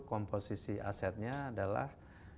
komposisi asetnya adalah